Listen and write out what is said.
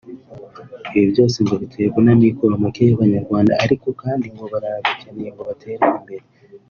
Ibi byose ngo biterwa n’amikoro make y’Abanyarwanda ariko kandi ngo baranabikeneye ngo batere imbere